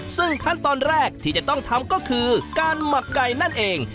ซึ่งขั้นตอนแรกที่จะต้องทำก็คือการหมักไก่นั่นเอง